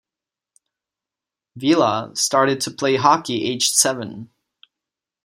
Vila started to play hockey aged seven.